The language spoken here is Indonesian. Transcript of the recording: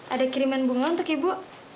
ada kiriman bunga untuk ibu